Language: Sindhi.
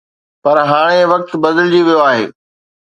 پر هاڻي وقت بدلجي ويو آهي.